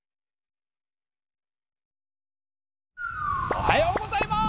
おはようございます！